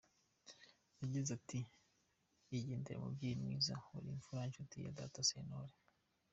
Yagize ati “Igendere mubyeyi mwiza, wari imfura, inshuti ya Data Sentore.